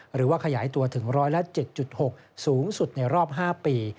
หรือว่าขยายตัวถึง๑๐๗๖สูงสุดในรอบ๕ปี